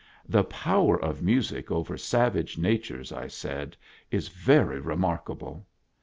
" The power of music over savage natures," I said, " is very remarkable.